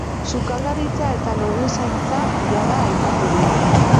Sukaldaritza eta lorezaintza jada aipatu dira.